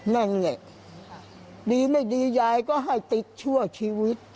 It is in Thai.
นั่นแหละดีไม่ดียายก็ให้ติดชั่วชีวิต